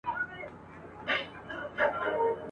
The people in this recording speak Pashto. د مرګ سېل یې په غېږ کي دی باران په باور نه دی !.